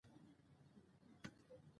سوله د خلکو ترمنځ باور پیاوړی کوي